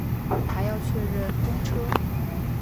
还要确认公车